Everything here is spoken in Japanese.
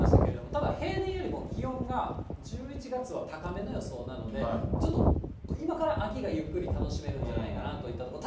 ただ、平年よりも気温が、１１月は高めの予想なので、ちょっと今から秋がゆっくり楽しめるんじゃないかなといったところ。